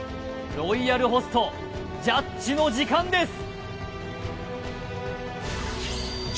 ロイヤルホストジャッジの時間です